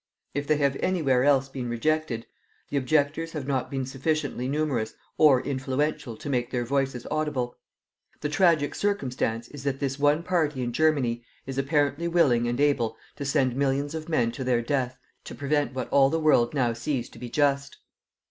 If they have anywhere else been rejected, the objectors have not been sufficiently numerous or influential to make their voices audible. The tragic circumstance is that this one party in Germany is apparently willing and able to send millions of men to their death to prevent what all the world now sees to be just.